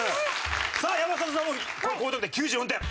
さあ山里さんも高得点９４点。